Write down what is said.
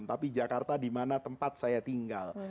tapi jakarta di mana tempat saya tinggal